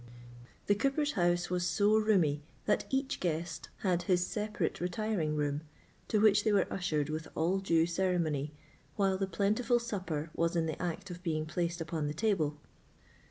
The cooper's house was so roomy that each guest had his separate retiring room, to which they were ushered with all due ceremony, while the plentiful supper was in the act of being placed upon the table.